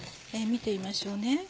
見てみましょうね。